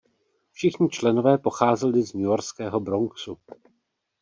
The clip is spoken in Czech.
Všichni členové pocházeli z newyorského Bronxu.